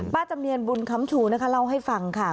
จำเนียนบุญคำชูนะคะเล่าให้ฟังค่ะ